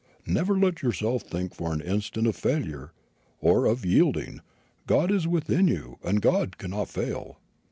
Never let yourself think for an instant of failure or of yielding; God is within you, and God cannot fail."